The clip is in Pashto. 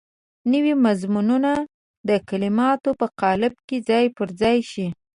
نوی مضمون د کلماتو په قالب کې ځای پر ځای شي.